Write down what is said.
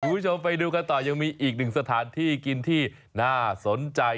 คุณผู้ชมไปดูกันต่อยังมีอีกหนึ่งสถานที่กินที่น่าสนใจ